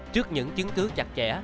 trước những chứng cứ chặt chẽ